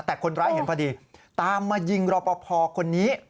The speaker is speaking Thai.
แต่คนร้ายเห็นพอดีตามมายิงรอปภคนนี้